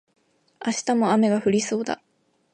明日も雨が降りそうだ